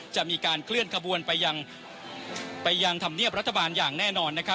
จะมีการเคลื่อนขบวนไปยังธรรมเนียบรัฐบาลอย่างแน่นอน